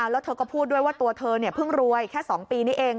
แล้วเธอก็พูดด้วยว่าตัวเธอเพิ่งรวยแค่๒ปีนี้เอง